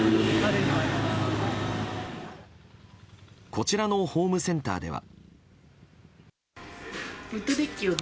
こちらのホームセンターでは。